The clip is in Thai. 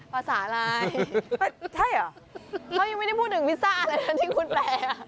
ภาษาอะไรเฮ้ยใช่เหรอเขายังไม่ได้พูดถึงพิซซ่าอะไรแล้วที่คุณแปลอ่ะ